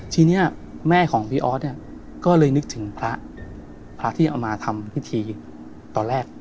ทีนี้แม่ของพี่ออสเนี่ยก็เลยนึกถึงพระพระที่เอามาทำพิธีตอนแรก